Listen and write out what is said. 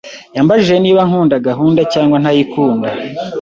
Yambajije niba nkunda gahunda cyangwa ntayikunda.